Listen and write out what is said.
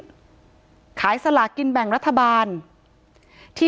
ถ้าใครอยากรู้ว่าลุงพลมีโปรแกรมทำอะไรที่ไหนยังไง